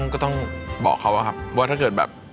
ก็ต้องบอกเขาอะครับว่าถ้าเกิดแบบ